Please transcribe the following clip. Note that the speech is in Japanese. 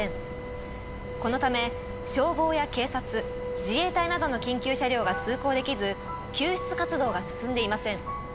このため消防や警察自衛隊などの緊急車両が通行できず救出活動が進んでいません。